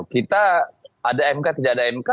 kita ada mk tidak ada mk